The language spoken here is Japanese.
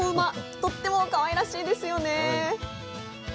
とってもかわいらしいですよね。